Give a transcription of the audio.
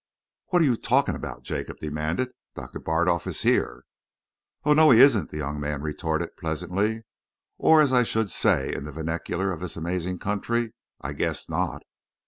"What are you talking about?" Jacob demanded. "Doctor Bardolf is here." "Oh, no, he isn't!" the young man retorted pleasantly. "Or, as I should say in the vernacular of this amazing country, I guess not!